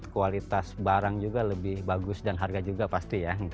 kualitas barang juga lebih bagus dan harga juga pasti ya